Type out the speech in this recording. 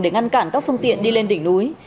để ngăn cản các phương tiện đi lên đỉnh núi